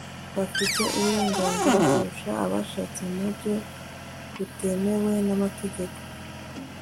bafite uburenganzira kurusha abashatse mu buryo butemewe n'amategeko